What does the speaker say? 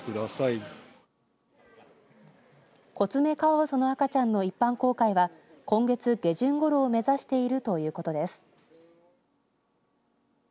コツメカワウソの赤ちゃんの一般公開は今月下旬ごろを目指しているということです。